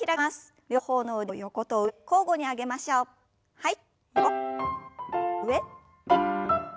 はい。